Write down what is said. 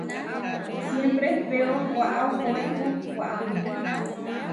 Siémpre ehpéo waʼá ohoépu waʼámi.